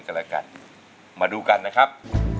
แฟนชาวบ้าน